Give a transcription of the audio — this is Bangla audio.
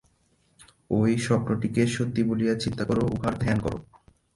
ঐ স্বপ্নটিকে সত্য বলিয়া চিন্তা কর, উহার ধ্যান কর।